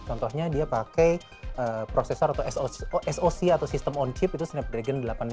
contohnya dia pakai processor atau soc atau system on chip itu snapdragon delapan ratus lima puluh lima